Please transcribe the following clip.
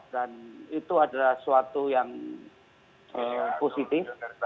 dan itu adalah suatu yang positif